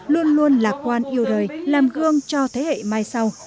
luôn luôn lạc quan yêu đời làm gương cho thế hệ mai sau